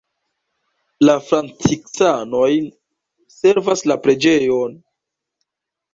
La franciskanoj servas la preĝejon.